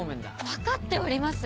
分かっております。